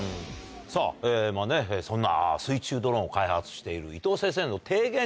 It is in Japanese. さぁそんな水中ドローンを開発している伊藤先生の提言